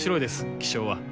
気象は。